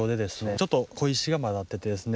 ちょっとこいしがまざっててですね